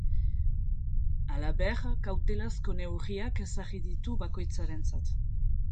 Halaber, kautelazko neurriak ezarri ditu bakoitzarentzat.